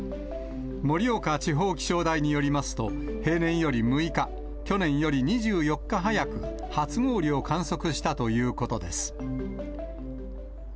盛岡地方気象台によりますと、平年より６日、去年より２４日早く、初氷を観測したということです。